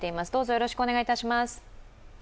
よろしくお願いします。